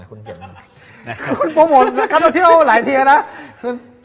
คุณโปรโมนการท่องเที่ยวหลายทีแล้ว